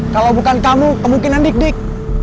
kalau bukan kamu kemungkinan dik dik